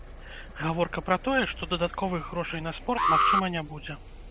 Гаворка пра тое, што дадатковых грошай на спорт, магчыма, не будзе.